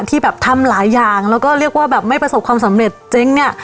ที่แบบทำหลายอย่างแล้วก็เรียกว่าแบบไม่ประสบความสำเร็จเจ๊งเนี่ย